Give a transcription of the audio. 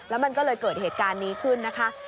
แล้วมันก็เลยเกิดเหตุการณ์นี้ขึ้นนะคะ